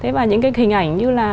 thế và những cái hình ảnh như là